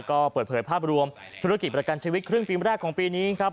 ก็เปิดเผยภาพรวมธุรกิจประกันชีวิตครึ่งปีแรกของปีนี้ครับ